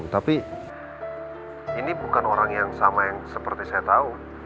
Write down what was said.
tapi ini bukan orang yang sama yang seperti saya tahu